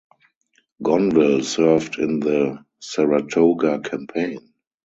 Gonville served in the Saratoga campaign.